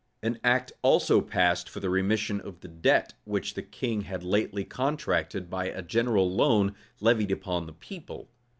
An act also passed for the remission of the debt which the king had lately contracted by a general loan levied upon the people.